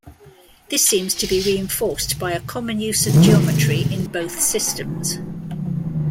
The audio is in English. This seems to be reinforced by a common use of geometry in both systems.